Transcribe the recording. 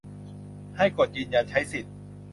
ให้กดยืนยันใช้สิทธิ